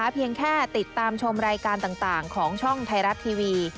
เพียงแค่ติดตามชมรายการต่างของช่องไทยรัฐทีวี